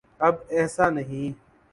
اب ایسا نہیں۔